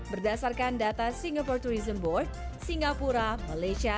berdasarkan data singapore tourism board singapura malaysia